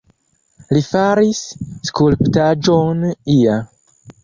Li faris skulptaĵon ia.